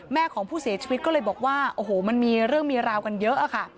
ของผู้เสียชีวิตก็เลยบอกว่าโอ้โหมันมีเรื่องมีราวกันเยอะอะค่ะ